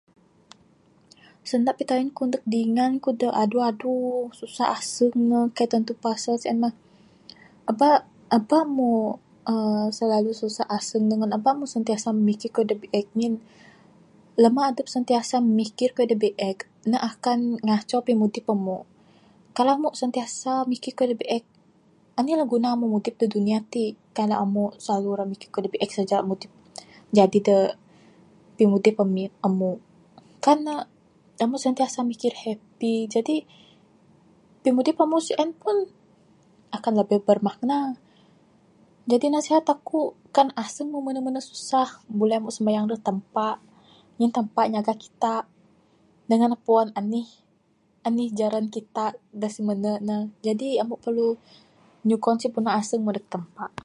Sanda pitayen ku neg dingan ku adu adu susah aseng ne kaik tantu pasal sien mah. Aba aba mu uhh susah aseng dangan aba mu sentiasa mikir kayuh da biek ngin Lama adep sentiasa mikir kayuh da biek ne akan ngaco pimudip amu. Kalau amu sentiasa mikir kayuh da biek anih la guna mu mudip da dunia ti kalau mu silalu mikir kayuh da biek saja. Jaji de pimudip ami amu kan ne amu sentiasa mikir happy jadi pimudip amu sien pun Akan lebih bermakna jadi nasihat aku kan aseng mu mene mene susah buleh mu simayang neg Tampa ngin Tampa nyaga kita dangan ne puan anih jaran kita da simene ne jadi amu perlu nyugon sipuno aseng mu neg Tampa.